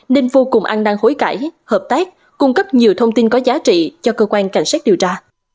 nên vô cùng ăn năng hối cãi hợp tác cung cấp nhiều thông tin có giá trị cho cơ quan cảnh sát điều tra